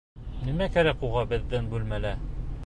Нимә кәрәк уға беҙҙең бүлмәлә?